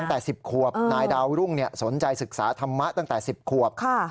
ตั้งแต่๑๐ขวบนายดาวรุ่งสนใจศึกษาธรรมะตั้งแต่๑๐ขวบ